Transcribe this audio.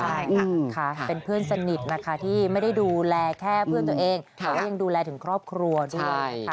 ใช่ค่ะเป็นเพื่อนสนิทนะคะที่ไม่ได้ดูแลแค่เพื่อนตัวเองแต่ว่ายังดูแลถึงครอบครัวด้วยค่ะ